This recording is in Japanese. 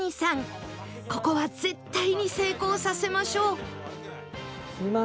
ここは絶対に成功させましょう